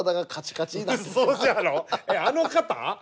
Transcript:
あの方？